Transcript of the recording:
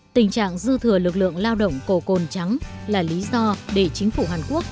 tình trạng dư thừa lực lượng lao động cổ cồn trắng là lý do để chính phủ hàn quốc